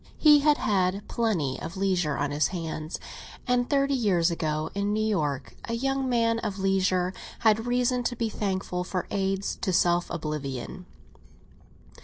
He had had plenty of leisure on his hands; and thirty years ago, in New York, a young man of leisure had reason to be thankful for aids to self oblivion.